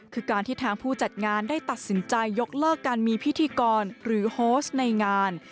คือการที่ทางผู้จัดงานได้ตัดสินใจยกเลิกการมีพิธีกรหรือโฮสในงาน